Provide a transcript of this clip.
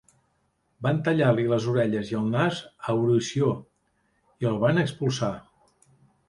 Van tallar-li les orelles i el nas a Eurició i el van expulsar.